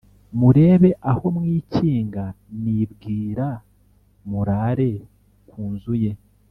murebe aho mwikinga, nibwira murare ku nzu ye